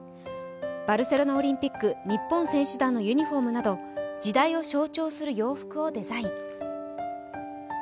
バルセロナオリンピック日本選手団のユニフォームなど時代を象徴する洋服をデザイン。